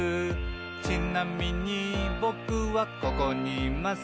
「ちなみにぼくはここにいます」